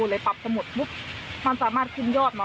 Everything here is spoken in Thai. ก็ขอให้ดูปับสมุดปุ๊บมันสามารถขึ้นยอดน้อย